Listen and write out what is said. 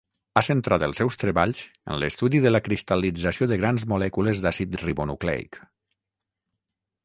Ha centrat els seus treballs en l'estudi de la cristal·lització de grans molècules d'àcid ribonucleic.